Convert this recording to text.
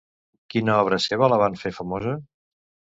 Quina obra seva la va fer famosa?